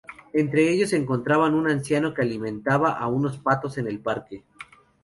Entre ellos se encontraba un anciano que alimentaba a unos patos en el parque.